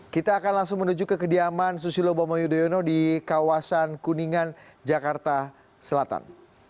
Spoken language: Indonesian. kita akan langsung menuju ke kediaman susilo bambang yudhoyono di kawasan kuningan jakarta selatan